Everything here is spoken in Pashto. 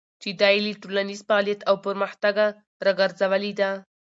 چې دا يې له ټولنيز فعاليت او پرمختګه راګرځولې ده.